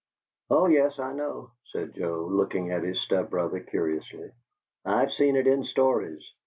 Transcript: "Oh yes, I know!" said Joe, looking at his step brother curiously. "I've seen it in stories.